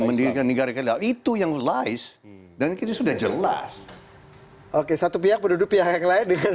mendirikan negara kita itu yang lice dan kita sudah jelas oke satu pihak penduduk pihak yang lain dengan